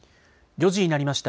４時になりました。